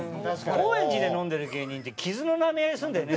高円寺で飲んでる芸人って傷のなめ合いするんだよね